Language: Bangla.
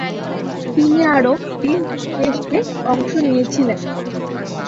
তিনি আরও তিন টেস্টে অংশ নিয়েছিলেন।